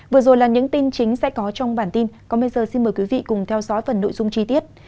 vừa rồi là những tin chính sẽ có trong bản tin còn bây giờ xin mời quý vị cùng theo dõi phần nội dung chi tiết